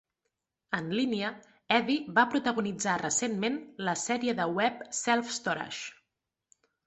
En línia, Eddie va protagonitzar recentment la sèrie de web Self-Storage.